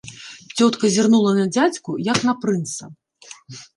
Цётка зірнула на дзядзьку, як на прынца.